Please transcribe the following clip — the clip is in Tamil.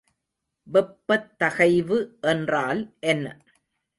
வெப்பத் தகைவு என்றால் என்ன?